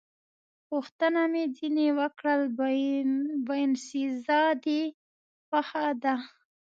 پوښتنه مې ځنې وکړل: باینسېزا دې خوښه ده؟